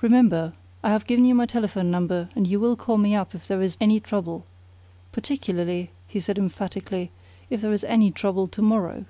"Remember, I have given you my telephone number and you will call me up if there is any trouble. Particularly," he said emphatically, "if there is any trouble to morrow."